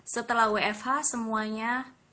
setelah wfh semuanya